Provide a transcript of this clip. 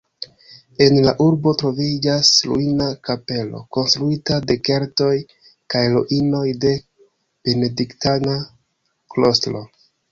En la urbo troviĝas ruina kapelo konstruita de keltoj kaj ruinoj de benediktana klostro.